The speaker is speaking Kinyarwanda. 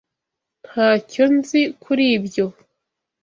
Ntacyo nzi kuri ibyo.